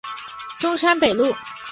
中山北路